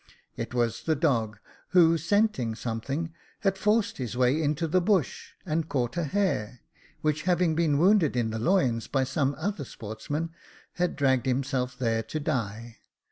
It was the dog, who scenting something, had forced his way into the bush, and had caught a hare, which having been wounded in the loins by some other sportsman, had dragged itself there to die.